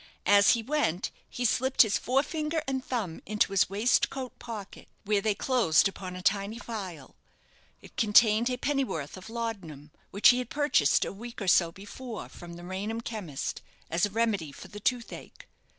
As he went, he slipped his forefinger and thumb into his waistcoat pocket, where they closed upon a tiny phial. It contained a pennyworth of laudanum, which he had purchased a week or so before from the Raynham chemist, as a remedy for the toothache.